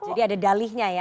jadi ada dalihnya ya